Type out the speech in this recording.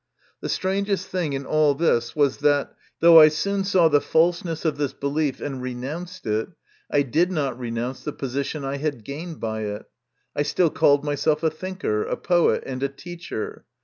The strangest thing in all this was that, though I soon saw the falseness of this belief and renounced it, I did not renounce the position I had gained by it ; I still called myself a thinker, a poet, and a teacher.